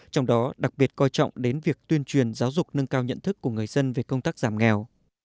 trong đó đặc biệt coi trọng đến việc tuyên truyền giáo dục nâng cao nhận thức của người dân về công tác giảm nghèo